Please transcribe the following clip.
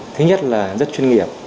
thứ nhất là rất chuyên nghiệp